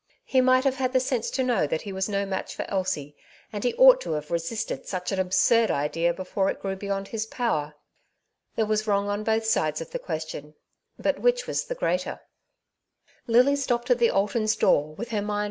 He might have had the sense to know that he was no match for Elsie, and he ought to have resisted such an absurd idea before it grew beyond his power. There was wrong on both sides of the question, but which was the greater ? Lily stopped at the Altons' door, with her mind TJu Marriage at Clinton Park.